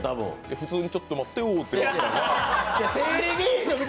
普通に、ちょっと待ってよって言うてた。